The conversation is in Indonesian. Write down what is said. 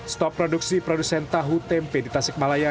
stop produksi produsen tahu tempe di tasikmalaya